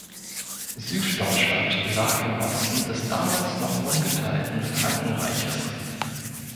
Süddeutschland lag im Osten des damals noch ungeteilten Frankenreiches.